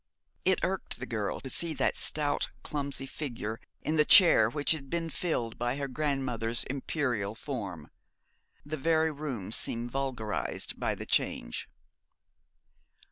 It irked the girl to see that stout, clumsy figure in the chair which had been filled by her grandmother's imperial form. The very room seemed vulgarised by the change.